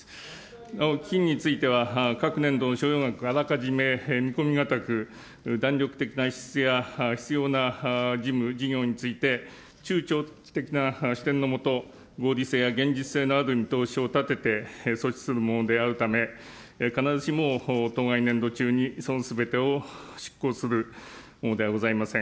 なお基金については各年度の所要額をあらかじめ見込み難く、弾力的なや必要な事務、事業について、中長期的な視点のもと、合理性や現実性のある見通しを立てて、措置するものであるため、必ずしも当該年度中にそのすべてを執行するものではございません。